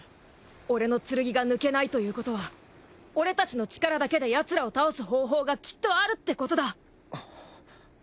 俺の剣が抜けないということは俺たちの力だけでヤツらを倒す方法がきっとあるってことだ！